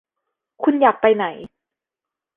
คุณอยากไปไหน